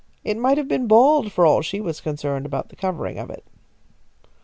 It might have been bald for all she was concerned about the covering of it.